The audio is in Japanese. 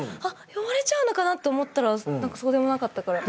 呼ばれちゃうのかなって思ったらそうでもなかったから。